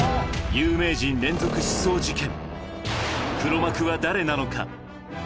有名人連続失踪事件、黒幕は誰なのか。